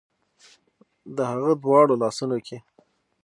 د هغه دواړو لاسونو کې